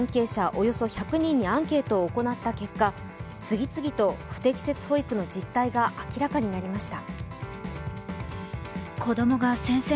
およそ１００人にアンケートを行った結果、次々と不適切保育の実態が明らかになりました。